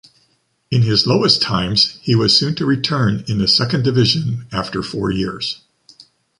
In his lowest times, he was soon to return in the second division after four years.